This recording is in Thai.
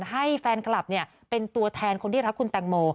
ให้แฟนคลับเป็นตัวแทนคนที่รักคุณแตงโม